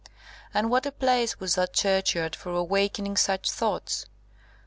And what a place was that churchyard for awakening such thoughts!